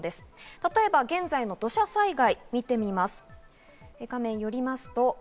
例えば現在の土砂災害を見てみます。